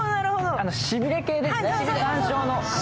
しびれ系ですね、山椒の。